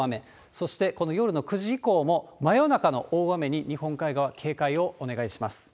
そして、この夜の９時以降も真夜中の大雨に、日本海側、警戒をお願いします。